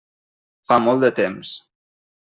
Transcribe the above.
Fa molt de temps.